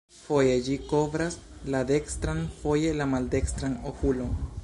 Foje ĝi kovras la dekstran, foje la maldekstran okulon.